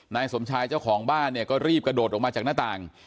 นายสมชายเจ้าของบ้านเนี่ยก็รีบกระโดดออกมาจากหน้าต่าง